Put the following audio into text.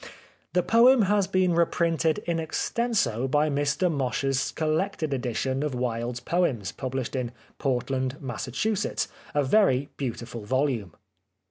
The poem has been reprinted in extenso in Mr Mosher's collected edition of Wilde's poems, pubHshed in Portland, Mass. : a very beautiful volume.